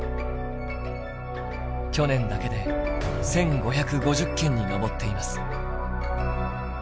去年だけで１，５５０件に上っています。